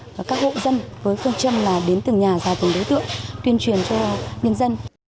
và các hộ dân với phương châm là đến từng nhà và từng đối tượng tuyên truyền cho nhân dân